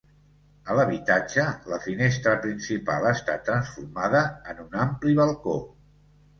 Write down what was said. A l'habitatge, la finestra principal ha estat transformada en un ampli balcó.